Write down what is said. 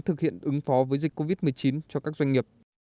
thực hiện ứng phó với dịch covid một mươi chín cho các doanh nghiệp